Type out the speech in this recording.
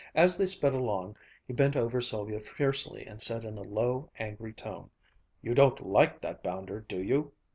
As they sped along he bent over Sylvia fiercely and said in a low, angry tone, "You don't like that bounder, do you?